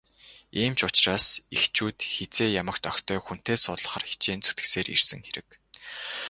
Ийм ч учраас эхчүүд хэзээ ямагт охидоо хүнтэй суулгахаар хичээн зүтгэсээр ирсэн хэрэг.